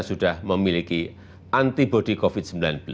sudah memiliki antibody covid sembilan belas